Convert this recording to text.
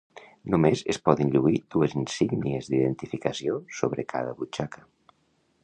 Només es poden lluir dues insígnies d'identificació sobre cada butxaca.